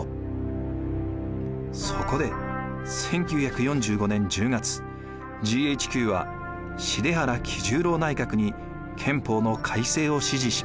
そこで１９４５年１０月ＧＨＱは幣原喜重郎内閣に憲法の改正を指示しました。